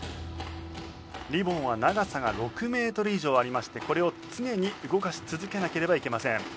リボンは長さが６メートル以上ありましてこれを常に動かし続けなければいけません。